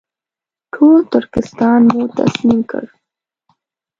ټول ترکستان مو تسلیم کړ.